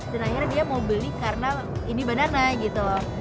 dan akhirnya dia mau beli karena ini banana gitu loh